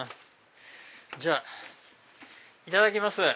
じゃあいただきます！